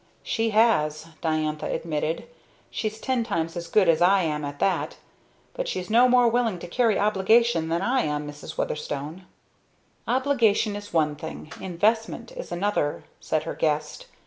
"She has," Diantha admitted. "She's ten times as good as I am at that; but she's no more willing to carry obligation than I am, Mrs. Weatherstone." "Obligation is one thing investment is another," said her guest.